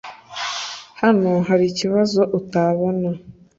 Hano hari ikibazo utabona